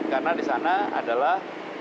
karena di sana adalah